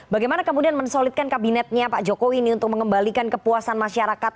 bagaimana kemudian mensolidkan kabinetnya pak jokowi ini untuk mengembalikan kepuasan masyarakat